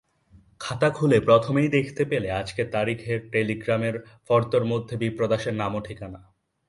খাতা খুলে প্রথমেই দেখতে পেলে আজকের তারিখের টেলিগ্রামের ফর্দর মধ্যে বিপ্রদাসের নাম ও ঠিকানা।